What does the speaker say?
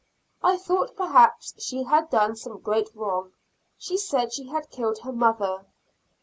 I thought, perhaps, she had done some great wrong. She said she had killed her mother.